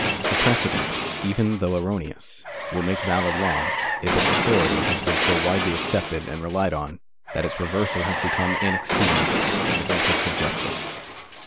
A precedent, even though erroneous, will make valid law, if its authority has been so widely accepted and relied on that its reversal has become inexpedient in the interests of justice.